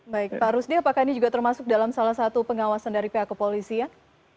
baik pak rusdi apakah ini juga termasuk dalam salah satu pengawasan dari pihak kepolisian